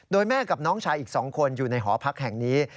โดยแม่กับน้องชายอีก๒คนอยู่ในหอพักแห่งนี้